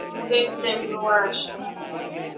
Umbe itre msembe waasha.